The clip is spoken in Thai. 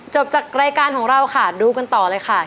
จบจากรายการของเราค่ะดูกันต่อเลยค่ะ